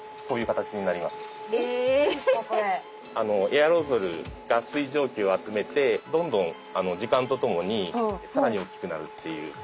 エアロゾルが水蒸気を集めてどんどん時間とともに更に大きくなるっていう。